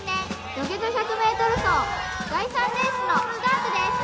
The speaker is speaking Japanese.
土下座１００ｍ走第３レースのスタートです